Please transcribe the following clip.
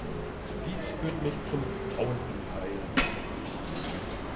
Dies führt mich zum Frauenanteil.